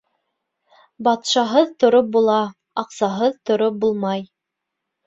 Батшаһыҙ тороп була, аҡсаһыҙ тороп булмай.